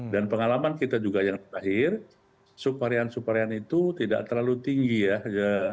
dan pengalaman kita juga yang terakhir sub varian sub varian itu tidak terlalu tinggi ya